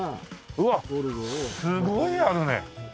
うわっすごいあるね！